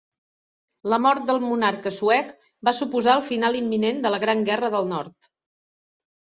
La mort del monarca suec va suposar el final imminent de la Gran Guerra del Nord.